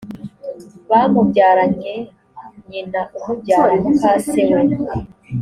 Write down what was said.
bamubyaranye nyina umubyara mukase we